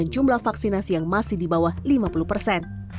jumlah vaksinasi yang masih di bawah lima puluh persen